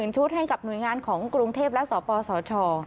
ชุดให้กับหน่วยงานของกรุงเทพและสปสช